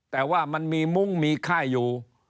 แต่ว่ามันมีมุ้งมีไข้อยู่